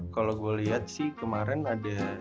kalo gua liat sih kemarin ada